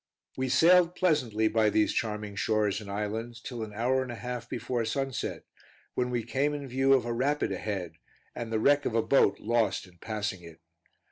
We sailed pleasantly by these charming shores and islands till an hour and a half before sunset, when we came in view of a rapid ahead, and the wreck of a boat lost in passing it.